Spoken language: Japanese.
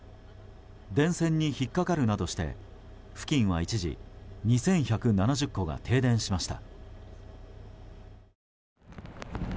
電線に引っかかるなどして付近は一時２１７０戸が停電しました。